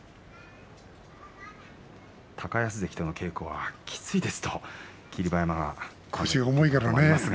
高安関との稽古はきついですと霧馬山は言っていました。